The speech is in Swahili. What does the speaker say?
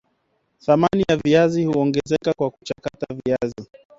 thamani ya viazi huongezeka kwa kuchakata viazi